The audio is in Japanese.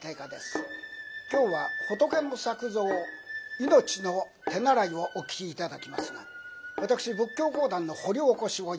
今日は「仏の作蔵命の手習」をお聴き頂きますが私仏教講談の掘り起こしをいたし